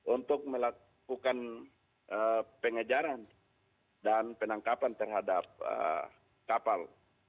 untuk melakukan pengejaran dan penangkapan terhadap kapal